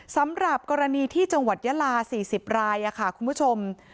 สำหรับกรณีที่จังหวัดยาลา๔๐รายค่ะคุณผู้ชม